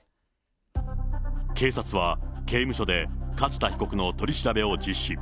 警察は、刑務所で勝田被告の取り調べを実施。